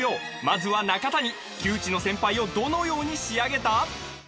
まずは中谷旧知の先輩をどのように仕上げた？